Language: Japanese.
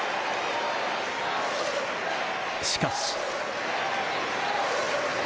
しかし。